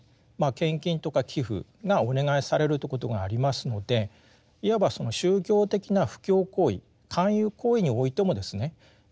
献金とか寄附がお願いされるということがありますのでいわばその宗教的な布教行為勧誘行為においてもですね